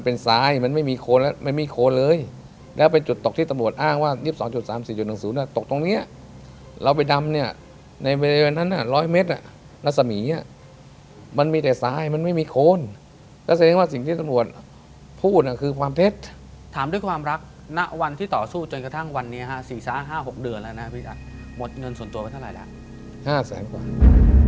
พี่อาจจะถามว่าโง่หรือเปล่าที่ทุกคนบอกว่าโง่หรือเปล่าที่พี่อาจจะถามว่าพี่อาจจะถามว่าโง่หรือเปล่าที่พี่อาจจะถามว่าโง่หรือเปล่าที่พี่อาจจะถามว่าโง่หรือเปล่าที่พี่อาจจะถามว่าโง่หรือเปล่าที่พี่อาจจะถามว่าโง่หรือเปล่าที่พี่อาจจะถามว่าโง่หรือเปล่าที่พี่อาจ